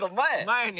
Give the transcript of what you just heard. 前に。